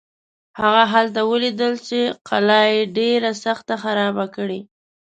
هغه هلته ولیدل چې قلا یې ډېره سخته خرابه کړې.